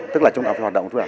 tức là chúng ta phải hoạt động